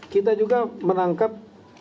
kita juga menangkap